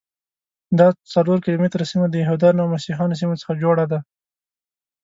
دا څلور کیلومتره سیمه د یهودانو او مسیحیانو سیمو څخه جوړه ده.